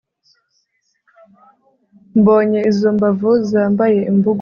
mbonye izo mbavu zambaye imbugu